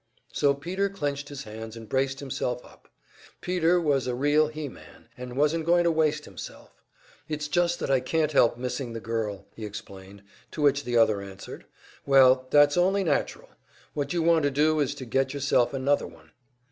So Peter clenched his hands and braced himself up. Peter was a real "he man," and wasn't going to waste himself. "It's just that I can't help missing the girl!" he explained; to which the other answered: "Well, that's only natural. What you want to do is to get yourself another one."